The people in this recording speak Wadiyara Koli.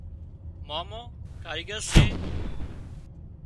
مامو ڪايڳر سي